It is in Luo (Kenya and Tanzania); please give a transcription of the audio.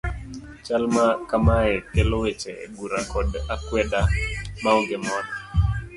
Chal ma kamaye kelo weche e bura kod akweda maonge mor.